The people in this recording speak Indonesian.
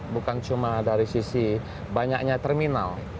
bukan cuma dari sisi banyaknya terminal